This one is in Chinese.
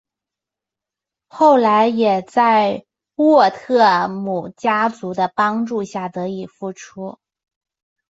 后来也是在沃特姆家族的帮助下得以复出。